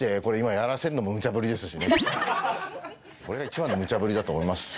これが一番のムチャブリだと思います。